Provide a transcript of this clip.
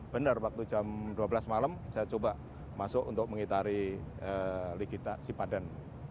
benar waktu jam dua belas malam saya coba masuk untuk mengitari likitan si padan